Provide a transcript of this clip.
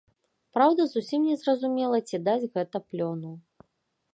Праўда, зусім незразумела, ці дасць гэта плёну.